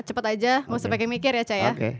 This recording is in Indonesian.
cepet aja ga usah pake mikir ya ca ya